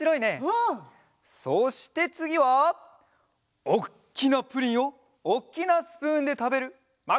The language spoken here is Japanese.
そしてつぎはおっきなプリンをおっきなスプーンでたべるまことおにいさんです！